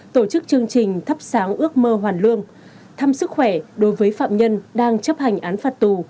tổ chức chương trình thắp sáng ước mơ hoàn lương thăm sức khỏe đối với phạm nhân đang chấp hành án phạt tù